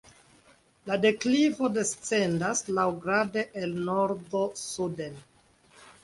La deklivo descendas laŭgrade el nordo suden.